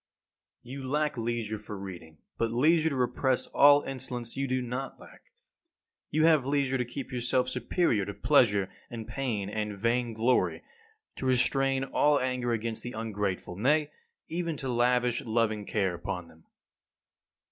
8. You lack leisure for reading; but leisure to repress all insolence you do not lack. You have leisure to keep yourself superior to pleasure and pain and vain glory, to restrain all anger against the ungrateful, nay, even to lavish loving care upon them.